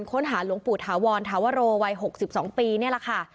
ค้นหาหลวงปู่ถาวรธาวโรวัย๖๒ปีนี่แหละค่ะ